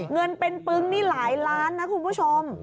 เงินเป็นปึ๊งนี่หลายล้านนะคุณผู้ชม